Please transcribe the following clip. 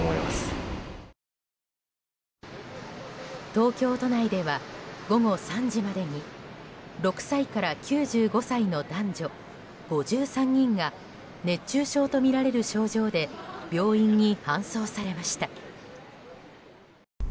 東京都内では午後３時までに６歳から９５歳の男女５３人が熱中症とみられる症状で病院に搬送されました。